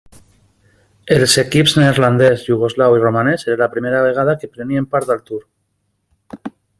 Els equips neerlandès, iugoslau i romanès era la primera vegada que prenien part al Tour.